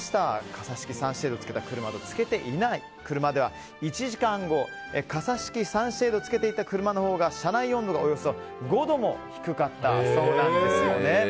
傘式サンシェードをつけた車とつけていない車では１時間後傘式サンシェードをつけていた車のほうが車内温度が、およそ５度も低かったそうです。